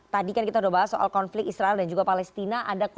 tadi kan kita sudah bahas soal konflik israel dan juga palestina